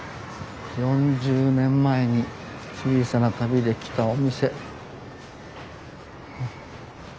４０年前に「小さな旅」で来たお店。